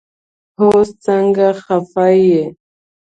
هوس سنګه خفه يي